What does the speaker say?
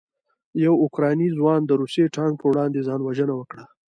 یو اوکراني ځوان د روسي ټانک په وړاندې ځان وژنه وکړه.